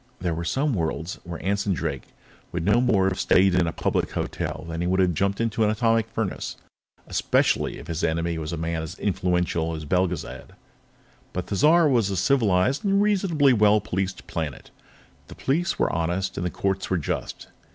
There were some worlds where Anson Drake would no more have stayed in a public hotel than he would have jumped into an atomic furnace, especially if his enemy was a man as influential as Belgezad. But Thizar was a civilized and reasonably well policed planet; the police were honest and the courts were just.